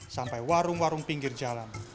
sampai warung warung pinggir jalan